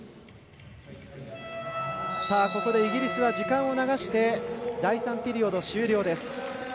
ここでイギリスが時間を流して第３ピリオド終了です。